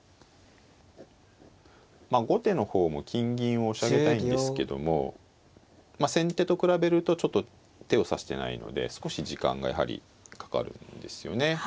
まあ後手の方も金銀を押し上げたいんですけども先手と比べるとちょっと手を指してないので少し時間がやはりかかるんですよね。